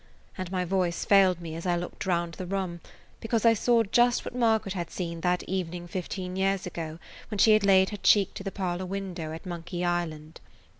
And my voice failed me as I looked round the room, because I saw just what Margaret had seen that evening fifteen years ago when she had laid her cheek to the parlor window at Monkey Island.